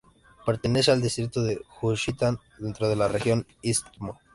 Pertenece al distrito de Juchitán, dentro de la región istmo.